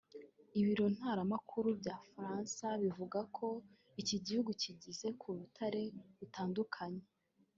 Ibiro ntaramakuru by’Abafaransa bivuga ko iki gihugu gikize ku butare butandukanye